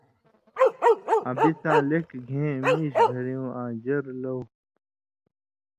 آں بِڅاں لیَکھہۡ گھېں، مېش گھریُوں آں ژرہۡ لؤ